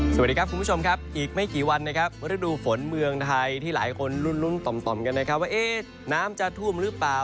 สวัสดีครับคุณผู้ชมครับอีกไม่กี่วันนะครับฤดูฝนเมืองไทยที่หลายคนลุ้นต่อมกันนะครับว่าน้ำจะท่วมหรือเปล่า